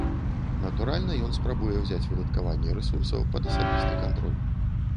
Натуральна, ён спрабуе ўзяць выдаткаванне рэсурсаў пад асабісты кантроль.